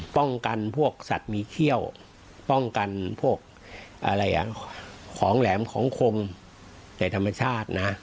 ป้องกันพวกสัตว์มีเขี้ยวป้องกันพวกของแหลมของคมในธรรมชาตินะ